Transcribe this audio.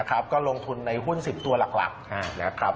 ก็ลงทุนในหุ้น๑๐ตัวหลักนะครับ